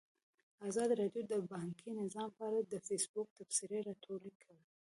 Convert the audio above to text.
ازادي راډیو د بانکي نظام په اړه د فیسبوک تبصرې راټولې کړي.